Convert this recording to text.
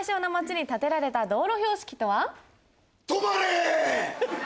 止まれ！